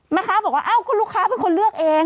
แม่ค้าบอกว่าอ้าวคุณลูกค้าเป็นคนเลือกเอง